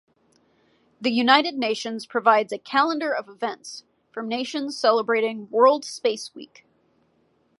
The United Nations provides a Calendar of Events from nations celebrating World Space Week.